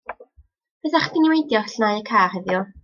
Fysach chdi'n meindio llnau y car heddiw?